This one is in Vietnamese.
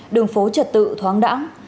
đường phố trật tự thoáng đãng